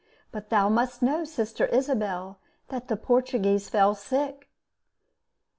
But thou must know, Sister Isabel, That the Portuguese fell sick ..